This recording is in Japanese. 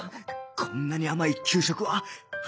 こんなに甘い給食は初めてだ